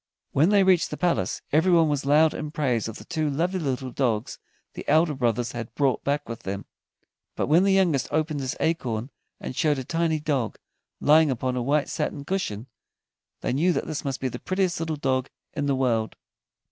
When they reached the palace, everyone was loud in praise of the two lovely little dogs the elder brothers had brought back with them, but when the youngest opened his acorn and showed a tiny dog, lying upon a white satin cushion, they knew that this must be the prettiest little dog in the world.